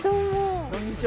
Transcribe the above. こんにちは